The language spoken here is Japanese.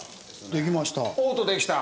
できました。